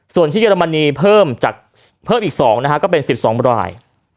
ส่วนที่เยอรมนีเพิ่มจากเพิ่มอีก๒นะฮะก็เป็น๑๒ราย